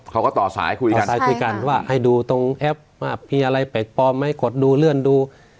เขาก็ต่อสายคุยกันสายคุยกันว่าให้ดูตรงแอปว่ามีอะไรแปลกปลอมไหมกดดูเลื่อนดู